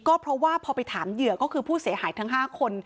ก็เพราะว่าพอไปถามเหยื่อก็คือผู้เสียหายทั้ง๕คน